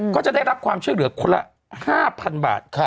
ก็จะได้รับความช่วยเหลือคนละ๕๐๐๐บาท